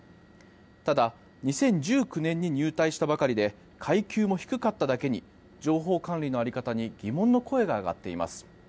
ただ、２０１９年に入隊したばかりで階級も低かっただけに情報管理の在り方に疑問の声が上がっています。